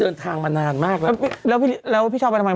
เขาตามแล้วแม่